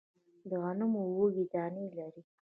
د غنمو وږی دانې لري